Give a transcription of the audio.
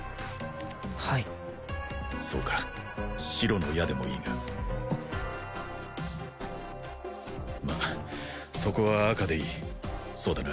はいそうか白の矢でもいいがまあそこは赤でいいそうだな？